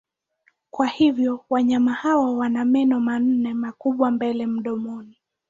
Kwa hivyo wanyama hawa wana meno manne makubwa mbele mdomoni.